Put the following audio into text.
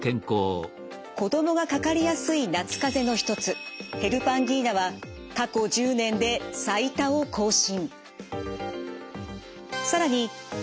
子どもがかかりやすい夏風邪の一つヘルパンギーナは過去１０年で最多を更新。